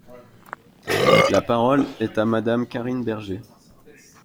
La parole est à Madame Karine Berger.